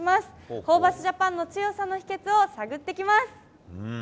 ホーバスジャパンの強さの秘けつを探ってきます。